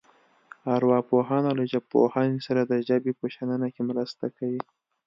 ارواپوهنه له ژبپوهنې سره د ژبې په شننه کې مرسته کوي